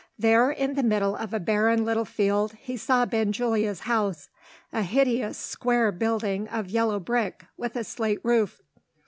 There, in the middle of a barren little field, he saw Benjulia's house a hideous square building of yellow brick, with a slate roof.